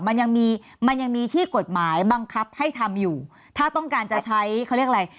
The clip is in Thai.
มันยังมีมันยังมีที่กฎหมายบังคับให้ทำอยู่ถ้าต้องการจะใช้เขาเรียกอะไร